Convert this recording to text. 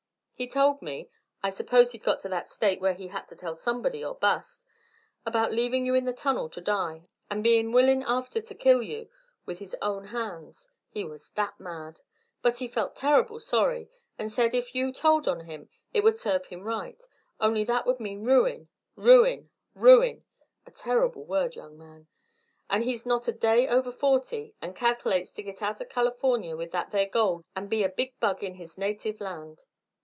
He told me I suppose he'd got to that state where he had to tell somebody or bust about leavin' you in the tunnel to die, and bein' willin' after to kill you with his own hands he was that mad. But he felt terrible sorry, and said that if you told on him it would serve him right; only that would mean ruin ruin ruin a terrible word, young man. And he's not a day over forty and calkilates to git out of Californy with that there gold and be a big bug in his native land.